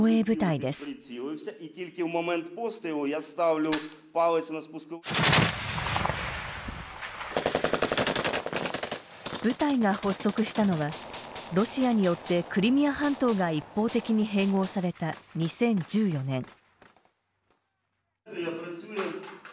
部隊が発足したのはロシアによってクリミア半島が一方的に併合された２０１４年。